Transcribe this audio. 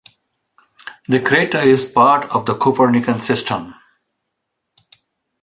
The crater is part of the Copernican System.